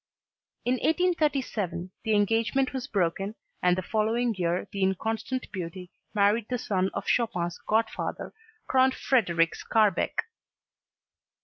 In 1837, the engagement was broken and the following year the inconstant beauty married the son of Chopin's godfather, Count Frederic Skarbek.